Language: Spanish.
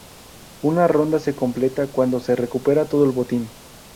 Una ronda se completa cuando se recupera todo el botín.